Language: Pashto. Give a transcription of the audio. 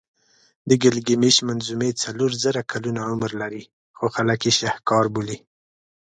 د ګیلګمېش منظومې څلور زره کلونه عمر لري خو خلک یې شهکار بولي.